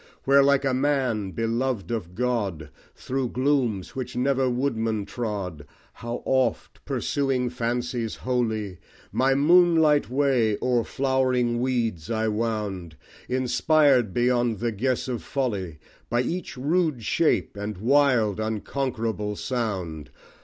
Where like a man beloved of God, Through glooms which never woodman trod, How oft, pursuing fancies holy, My moonlight way o'er flowering weeds I wound, Inspired, beyond the guess of folly, By each rude shape and wild unconquerable sound!